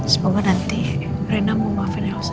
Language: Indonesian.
semoga nanti rena memaafin elah saya